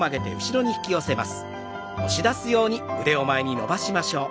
前に伸ばします。